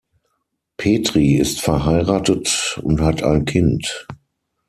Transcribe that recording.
Petry ist verheiratet und hat ein Kind.